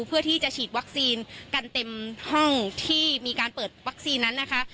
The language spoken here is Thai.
เพื่อที่จะฉีดวัคซีนกันเต็มห้องที่มีการเปิดวัคซีนนั้นนะคะ